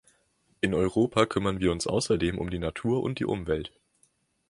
In Europa kümmern wir uns außerdem um die Natur und die Umwelt.